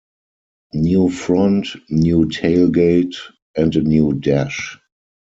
New front, new tailgate and a new dash.